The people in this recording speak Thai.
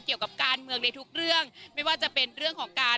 เกี่ยวกับการเมืองในทุกเรื่องไม่ว่าจะเป็นเรื่องของการ